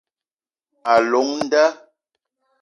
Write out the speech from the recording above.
A llong nda